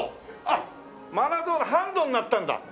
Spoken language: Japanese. あっマラドーナハンドになったんだ。